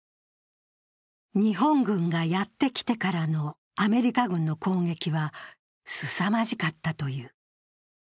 日本軍がやってきてからのアメリカ軍の攻撃はすさまじかったという。